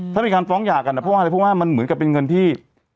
ถ้ามีการฟ้องหย่ากันเพราะว่าอะไรเพราะว่ามันเหมือนกับเป็นเงินที่